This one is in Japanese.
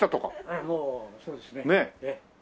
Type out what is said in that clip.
ええそうですね。